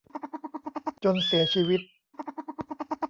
จนเสียชีวิต